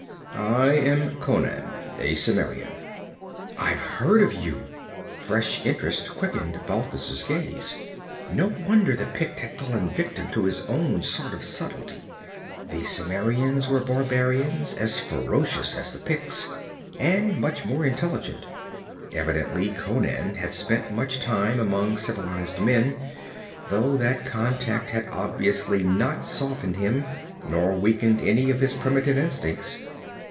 'I am Conan, a Cimmerian.' 'I've heard of you.' Fresh interest quickened Balthus' gaze. No wonder the Pict had fallen victim to his own sort of subtlety. The Cimmerians were barbarians as ferocious as the Picts, and much more intelligent. Evidently Conan had spent much time among civilized men, though that contact had obviously not softened him, nor weakened any of his primitive instincts.